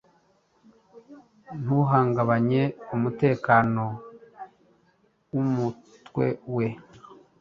Ntuhungabanye umutekano wumutwe we